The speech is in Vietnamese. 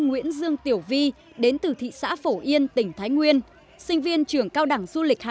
nguyễn dương tiểu vi đến từ thị xã phổ yên tỉnh thái nguyên sinh viên trường cao đẳng du lịch hà